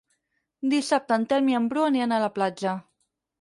Dissabte en Telm i en Bru aniran a la platja.